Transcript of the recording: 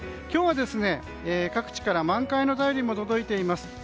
今日は、各地から満開の便りも届いています。